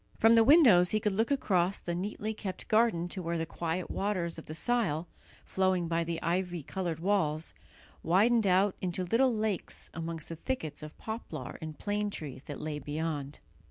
From the windows he could look across the neatly kept garden to where the quiet waters of the Sile, flowing by the ivy coloured walls, widened out into little lakes amongst the thickets of poplar and plane trees that lay beyond.